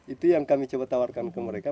itu yang kami coba tawarkan ke mereka